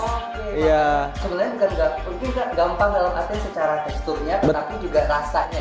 oh oke sebenarnya enggak gampang dalam arti secara teksturnya tapi juga rasanya